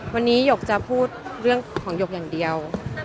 วันนี้หยกจะพูดเรื่องของหยกอย่างเดียว